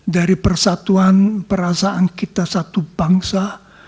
dari persatuan perasaan kita satu bangsa